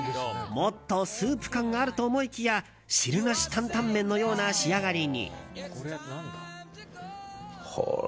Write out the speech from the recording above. もっとスープ感があると思いきや汁なし担々麺のような仕上がりに。